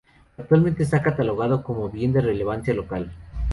Actualmente está catalogado como Bien de Relevancia Local.